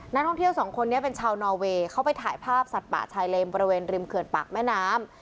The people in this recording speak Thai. นักท่องเที่ยวสองคนนี้เป็นชาวนอเวย์เขาไปถ่ายภาพสัตว์ป่าชายเลนบริเวณริมเขื่อนปากแม่น้ำ